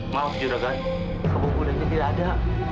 maaf juragan kerboboleknya tidak ada